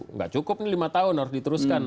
nggak cukup ini lima tahun harus diteruskan